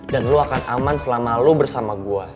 dan lo akan aman selama lo bersama gue